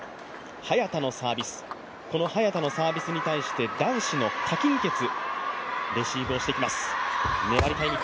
早田のサービス、この早田のサービスに対して男子の何鈞傑レシーブをしていきます。